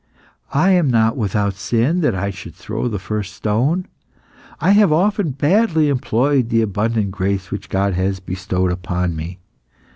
I am not without sin that I should throw the first stone. I have often badly employed the abundant grace which God has bestowed upon me.